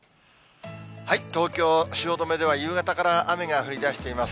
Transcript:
東京・汐留では夕方から雨が降りだしています。